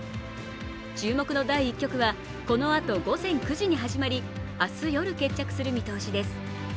注目の第１局はこのあと午前９時に始まり明日夜決着する見通しです。